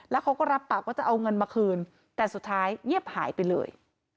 แล้วเขาก็รับปากว่าจะเอาเงินมาคืนแต่สุดท้ายเงียบหายไปเลย